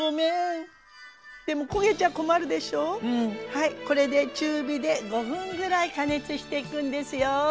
はいこれで中火で５分ぐらい加熱していくんですよ。